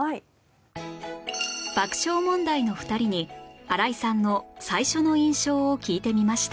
爆笑問題の２人に新井さんの最初の印象を聞いてみました